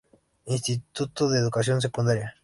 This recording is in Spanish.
Instituto de Educación Secundaria.